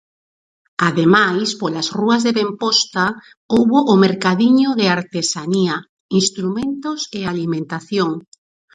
Ademais, polas rúas de Bemposta houbo o mercadiño de artesanía, instrumentos e alimentación.